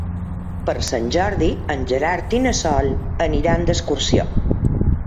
Per Sant Jordi en Gerard i na Sol aniran d'excursió.